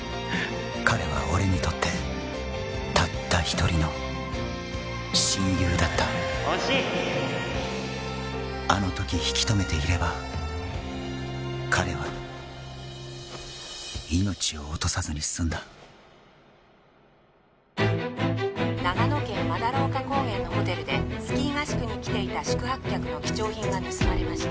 彼は俺にとってたった一人の親友だったあの時引き止めていれば彼は命を落とさずに済んだ長野県斑丘高原のホテルでスキー合宿に来ていた宿泊客の貴重品が盗まれました